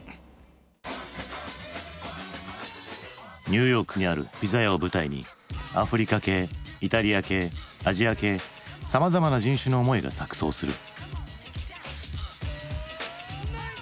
ニューヨークにあるピザ屋を舞台にアフリカ系イタリア系アジア系さまざまな人種の思いが錯そうする。